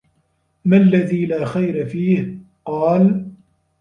مَا الَّذِي لَا خَيْرَ فِيهِ ؟ قَالَ